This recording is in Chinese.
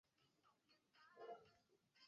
中国国民党向来在乡镇市长选举占有优势。